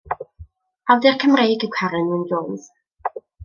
Awdur Cymreig yw Caren Wyn Jones.